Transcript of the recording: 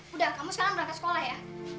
udah kamu sekarang berangkat sekolah ya